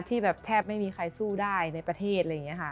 ที่แทบไม่มีใครสู้ได้ในประเทศ